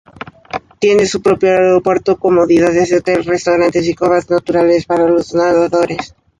Tiene su propio aeropuerto, comodidades de hotel, restaurantes y cuevas naturales para los nadadores.